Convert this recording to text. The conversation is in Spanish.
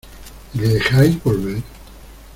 ¿ Y le dejáis volver?